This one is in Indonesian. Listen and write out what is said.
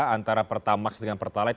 antara pertamax dengan pertalite